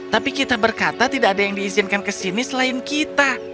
tapi kita berkata tidak ada yang diizinkan kesini selain kita